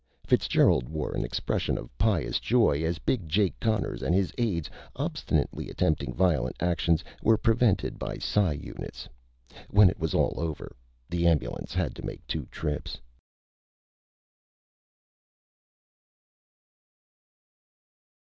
Fitzgerald wore an expression of pious joy as Big Jake Connors and his aides, obstinately attempting violent actions, were prevented by psi units. When it was all over, the ambulance had to make two trips.